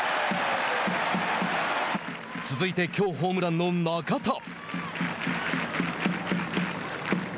続いて、きょうホームランの中田。